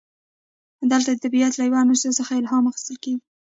دلته د طبیعت له یو عنصر څخه الهام اخیستل کیږي.